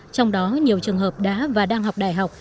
trong đó nhiều trường hợp đã và đang học đại học